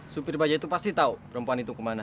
supir bajai itu pasti tau perempuan itu kemana